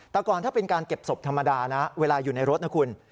แต่ก่อนถ้าเป็นการเก็บศพธรรมดานะเวลาอยู่ในรถนะคุณ